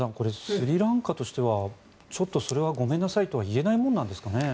スリランカとしてはちょっとそれはごめんなさいとは言えないものなんですかね。